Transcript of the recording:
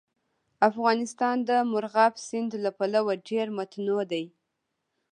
افغانستان د مورغاب سیند له پلوه ډېر متنوع دی.